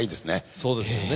そうですよね。